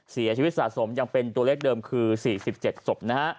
เสียชีวิตสะสมยังเป็นตัวเลขเดิมคือ๔๗ศพนะฮะ